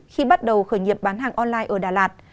khi bắt đầu khởi nghiệp bán hàng online ở đà lạt